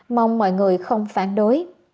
mong mọi người không phản đối